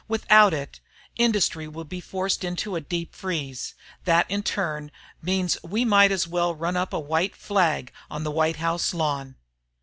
Without it, industry will be forced into a deep freeze. That in turn means we might as well run up a white flag on the White House lawn."